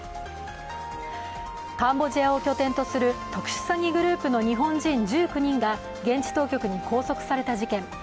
カンボジアを拠点とする特殊詐欺グループの日本人１９人が現地当局に拘束された事件。